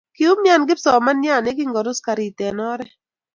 Kiumian kipsomanian ye kingorus karit eng oree.